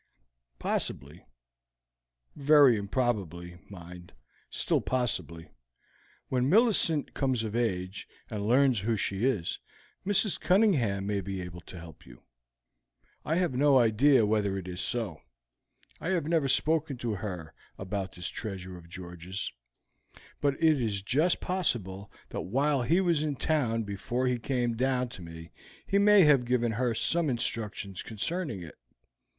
"Possibly very improbably, mind, still possibly when Millicent comes of age and learns who she is, Mrs. Cunningham may be able to help you. I have no idea whether it is so. I have never spoken to her about this treasure of George's, but it is just possible that while he was in town before he came down to me he may have given her some instructions concerning it.